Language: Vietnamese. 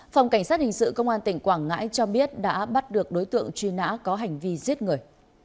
phòng cảnh sát hình sự công an tỉnh quảng ngãi cho biết đã bắt được đối tượng truy nã có hành vi giết người